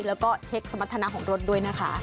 แล้วก็เช็คสมรรถนาของรถด้วยนะคะ